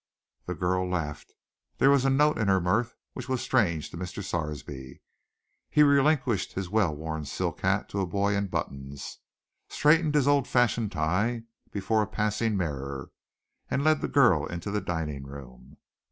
The girl laughed. There was a note in her mirth which was strange to Mr. Sarsby. He relinquished his well worn silk hat to a boy in buttons, straightened his old fashioned tie before a passing mirror, and led the girl into the dining room.